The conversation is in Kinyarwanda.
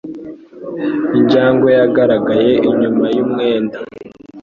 Injangwe yagaragaye inyuma yumwenda.